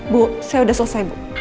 bu saya sudah selesai bu